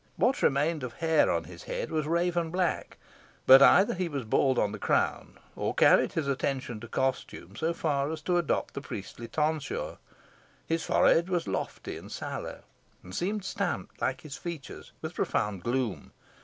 What remained of hair on his head was raven black, but either he was bald on the crown, or carried his attention to costume so far as to adopt the priestly tonsure. His forehead was lofty and sallow, and seemed stamped, like his features, with profound gloom.